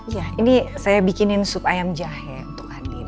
ya ini saya bikinin sup ayam jahe untuk andin